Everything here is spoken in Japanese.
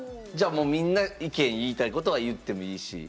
じゃあもうみんな意見言いたいことは言ってもいいし。